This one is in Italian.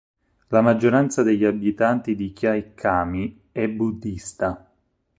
La maggioranza degli abitanti di Kyaikkhami è buddhista.